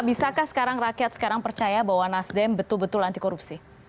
bisakah sekarang rakyat sekarang percaya bahwa nasdem betul betul anti korupsi